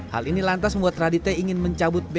hal ini lantas membuat radite ingin mencabut bp